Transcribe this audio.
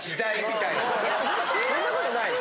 そんなことないでしょ？